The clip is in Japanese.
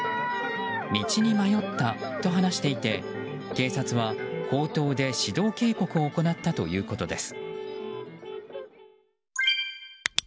道に迷ったと話していて警察は口頭で指導警告を行ったということです。